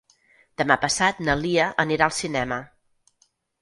Demà passat na Lia anirà al cinema.